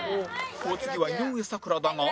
お次は井上咲楽だが